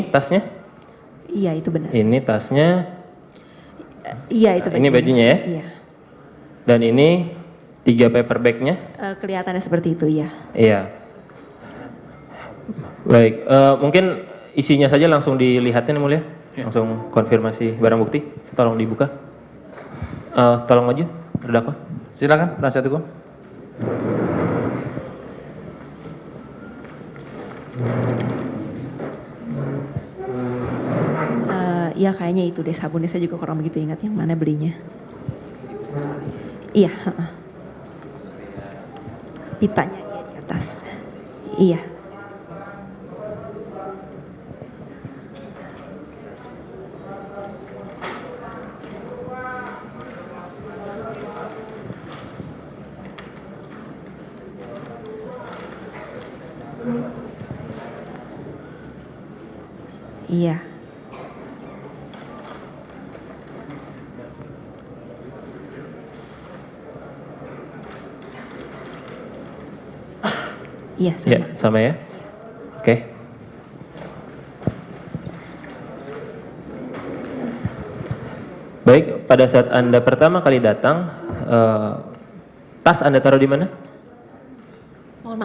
tas anda taruh dimana